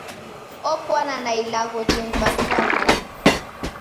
Opwana na ilagho jemvavira ngolo.